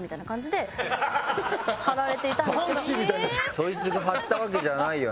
そいつが貼ったわけじゃないよね？